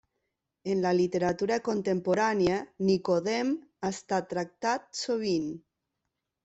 En la literatura contemporània, Nicodem ha estat tractat sovint.